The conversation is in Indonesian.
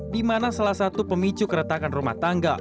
di mana salah satu pemicu keretakan rumah tangga